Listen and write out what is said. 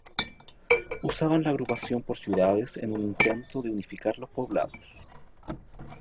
Usaban la agrupación por ciudades en un intento de unificar los poblados.